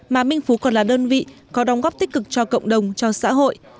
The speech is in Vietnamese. mà minh phú còn là đơn vị có đóng góp tích cực cho cộng đồng cho xã hội